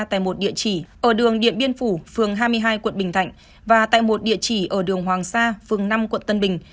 tại một địa chỉ ở đường điện biên phủ phường hai mươi hai quận bình thạnh và tại một địa chỉ ở đường hoàng sa phường năm quận tân bình